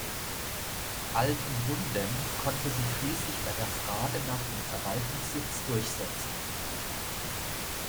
Altenhundem konnte sich schließlich bei der Frage nach dem Verwaltungssitz durchsetzen.